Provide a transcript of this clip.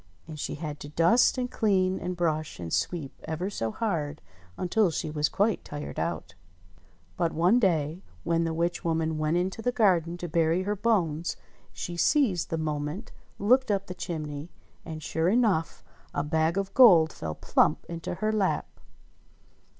And she had to dust, and clean, and brush, and sweep ever so hard, until she was quite tired out. But one day, when the witch woman went into the garden 124 ENGLISH FAIRY TALES to bury her bones, she seized the moment, looked up the chim ney, and, sure enough, a bag of gold fell plump into her lap